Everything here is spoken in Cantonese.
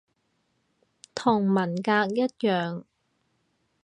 同文革一樣